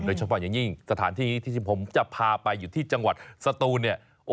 โดยเฉพาะอย่างยิ่งสถานที่ที่ผมจะพาไปอยู่ที่จังหวัดสตูนเนี่ย